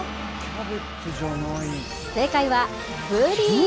正解はブリ。